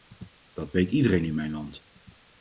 Dat weet iedereen in mijn land.